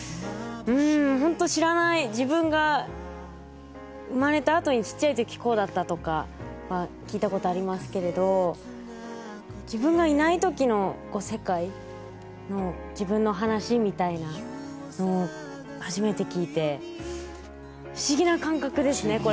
本当知らない自分が生まれたあとにちっちゃい時こうだったとかは聞いた事ありますけれど自分がいない時の世界の自分の話みたいなのを初めて聞いて不思議な感覚ですねこれ。